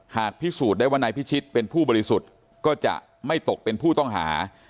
หากพิสูจน์ได้ว่านายพิชิตเป็นผู้บริสุทธิ์ก็จะไม่ตกเป็นผู้ต้องหา